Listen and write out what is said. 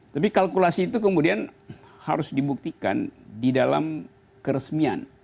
tapi kalkulasi itu kemudian harus dibuktikan di dalam keresmian